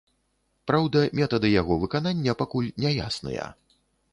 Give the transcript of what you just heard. Праўда, метады яго выканання пакуль няясныя.